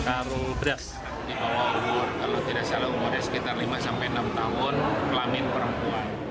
kalau tidak salah umurnya sekitar lima enam tahun pelamin perempuan